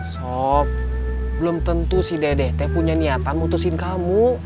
sob belum tentu sih dede teh punya niatan mutusin kamu